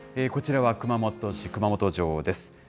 こちらは熊本市、熊本城です。